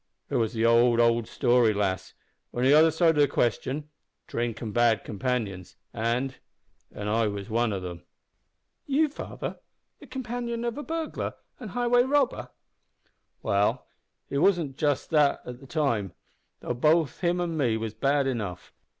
"It was the old, old story, lass, on the other side o' the question drink and bad companions and and I was one of them." "You, father, the companion of a burglar and highway robber?" "Well, he wasn't just that at the time, though both him and me was bad enough.